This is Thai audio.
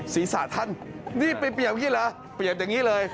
ศีรษะท่านนี่ไปเปรียบอย่างนี้เหรอเปรียบอย่างนี้เลย